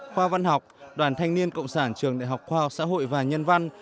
khoa văn học đoàn thanh niên cộng sản trường đại học khoa học xã hội và nhân văn